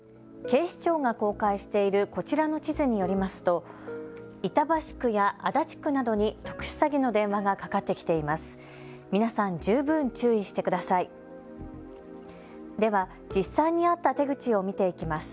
警視庁が公開しているこちらの地図によりますと板橋区や足立区などに特殊詐欺の電話がかかってきています。